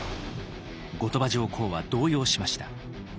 後鳥羽上皇は動揺しました。